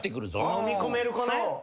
のみこめる子ね。